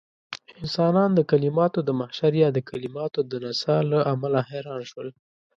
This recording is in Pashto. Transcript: انسانان د کليماتو د محشر يا د کليماتو د نڅاه له امله حيران شول.